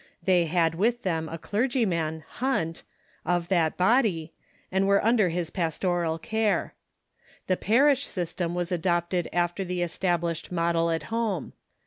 They had with them a clergynian, Hunt, of that body, and were under his pastoral care. The parish system was adopted after the established model at home.